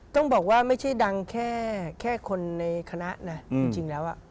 ต้องบอกว่าไม่ใช่ดังแค่คนในคณะนะจริงแล้ว